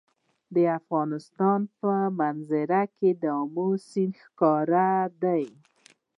د افغانستان په منظره کې آمو سیند ښکاره دی.